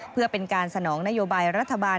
เพื่อเป็นการสนองนโยบายรัฐบาล